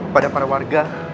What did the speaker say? pada para warga